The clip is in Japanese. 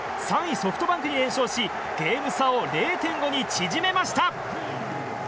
ソフトバンクに連勝しゲーム差を０．５に縮めました！